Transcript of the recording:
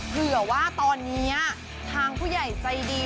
เผื่อว่าตอนนี้ทางผู้ใหญ่ใจดี